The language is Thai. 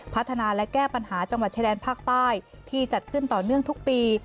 พัฒนาและแก้ปัญหาจังหวัดชายแดนภาคใต้ที่จัดขึ้นต่อเนื่องทุกปี